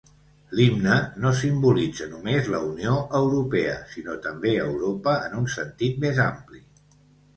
L'himne no simbolitza només la Unió Europea, sinó també Europa en un sentit més ampli.